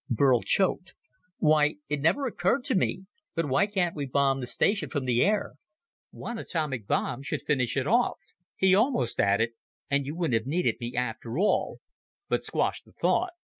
Burl choked. "Why, it never occurred to me, but why can't we bomb the station from the air? One atomic bomb should finish it off." He almost added, And you wouldn't have needed me after all, but squashed the thought.